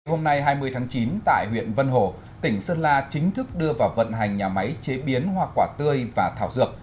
hôm nay hai mươi tháng chín tại huyện vân hồ tỉnh sơn la chính thức đưa vào vận hành nhà máy chế biến hoa quả tươi và thảo dược